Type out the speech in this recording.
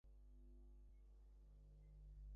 আরো ভাবতে হবে।